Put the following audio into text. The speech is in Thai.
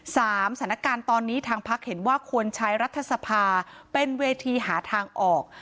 สถานการณ์ตอนนี้ทางพักเห็นว่าควรใช้รัฐสภาเป็นเวทีหาทางออก